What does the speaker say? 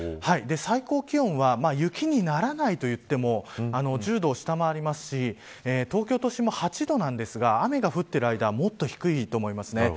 最高気温は雪にならないと言っても１０度を下回りますし東京都心も８度なんですが雨が降っている間はもっと低いと思います。